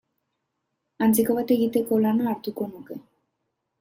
Antzeko bat egiteko lana hartuko nuke.